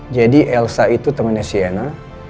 jadi elsa itu temannya siana